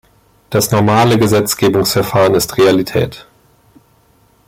Das normale Gesetzgebungsverfahren ist Realität.